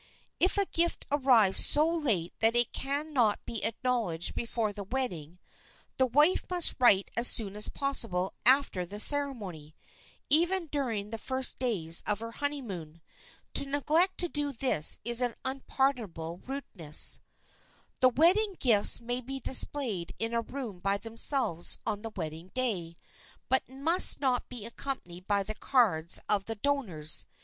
If a gift arrives so late that it can not be acknowledged before the wedding, the wife must write as soon as possible after the ceremony,—even during the first days of her honeymoon. To neglect to do this is an unpardonable rudeness. The wedding gifts may be displayed in a room by themselves on the wedding day, but must not be accompanied by the cards of the donors.